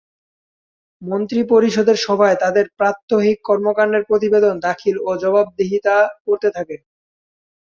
মন্ত্রিপরিষদের সভায় তাদের প্রাত্যহিক কর্মকাণ্ডের প্রতিবেদন দাখিল ও জবাবদিহিতা করতে থাকে।